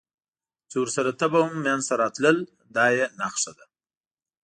چې ورسره تبه هم منځته راتلل، دا یې نښه ده.